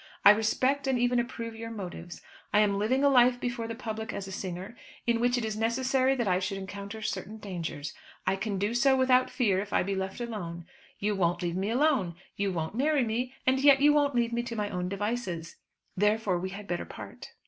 I respect and even approve your motives. I am living a life before the public as a singer, in which it is necessary that I should encounter certain dangers. I can do so without fear, if I be left alone. You won't leave me alone. You won't marry me, and yet you won't leave me to my own devices; therefore, we had better part."